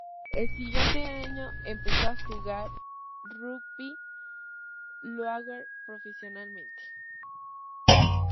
El siguiente año empezó a jugar rugby league profesionalmente.